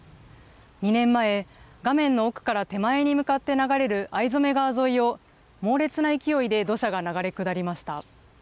２年前、画面の奥から手前に向かって流れる逢初川沿いを猛烈な勢いで土砂が流れ下りました。